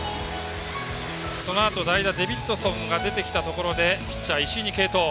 そのあと代打、デビッドソンが出てきたところでピッチャー、石井に継投。